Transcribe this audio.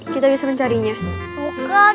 kamu sih pakai dibuang sembarangan